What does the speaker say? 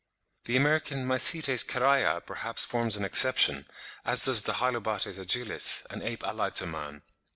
The American Mycetes caraya perhaps forms an exception, as does the Hylobates agilis, an ape allied to man.